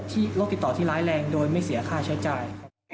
โรคติดต่อที่ร้ายแรงโดยไม่เสียค่าใช้จ่าย